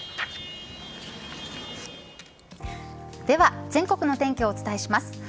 では全国の天気をお伝えします。